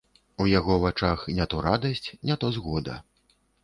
У яго вачах не то радасць, не то згода.